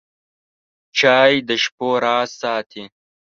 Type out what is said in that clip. چای د شپو راز ساتي.